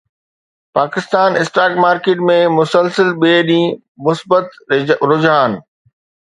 Pakistan stock market ۾ مسلسل ٻئي ڏينهن مثبت رجحان